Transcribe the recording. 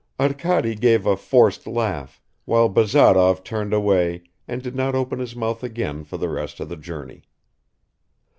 Arkady gave a forced laugh, while Bazarov turned away and did not open his mouth again for the rest of the journey.